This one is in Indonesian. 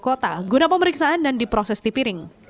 kota guna pemeriksaan dan diproses di piring